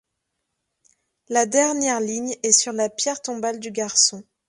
La dernière ligne est sur la pierre tombale du garçon.